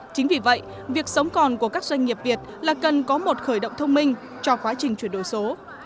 chính vì vậy việc sống còn của các doanh nghiệp việt là cần có một khởi động thông minh cho quá trình chuyển đổi số